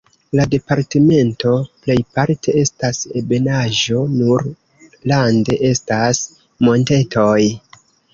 La departemento plejparte estas ebenaĵo, nur rande estas montetoj.